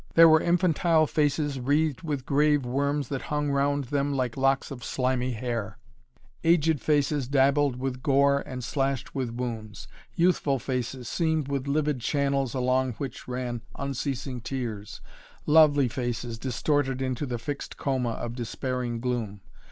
There were infantile faces wreathed with grave worms that hung round them like locks of slimy hair; aged faces dabbled with gore and slashed with wounds; youthful faces, seamed with livid channels along which ran unceasing tears; lovely faces distorted into the fixed coma of despairing gloom.